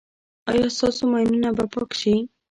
ایا ستاسو ماینونه به پاک شي؟